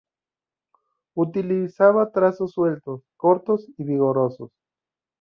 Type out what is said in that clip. Utilizaba trazos sueltos, cortos y vigorosos.